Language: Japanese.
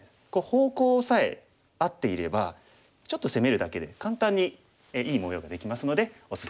方向さえ合っていればちょっと攻めるだけで簡単にいい模様ができますのでおすすめです。